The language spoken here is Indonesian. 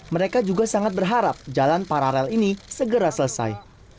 mereka juga sangat berharap jalan paralel ini segera selesai